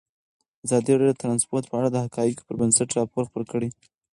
ازادي راډیو د ترانسپورټ په اړه د حقایقو پر بنسټ راپور خپور کړی.